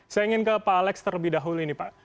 saya ingin ke pak alex terlebih dahulu ini pak